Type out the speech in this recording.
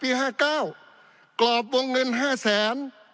ปี๑เกณฑ์ทหารแสน๒